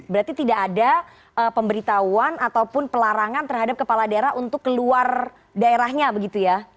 berarti tidak ada pemberitahuan ataupun pelarangan terhadap kepala daerah untuk keluar daerahnya begitu ya